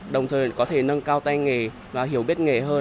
đồng thời có thể nâng cao tay nghề và hiểu biết nghề hơn